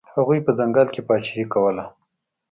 هغوی په ځنګل کې پاچاهي کوله.